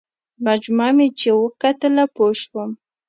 مجموعه مې چې وکتله پوه شوم.